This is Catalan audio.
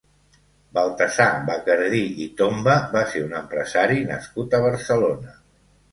Baltasar Bacardí i Tomba va ser un empresari nascut a Barcelona.